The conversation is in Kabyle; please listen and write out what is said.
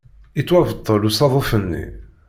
Yettwabṭel usaḍuf-nni.